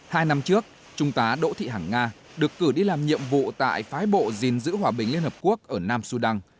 hai năm trước trung tá đỗ thị hằng nga được cử đi làm nhiệm vụ tại phái bộ gìn giữ hòa bình liên hợp quốc ở nam sudan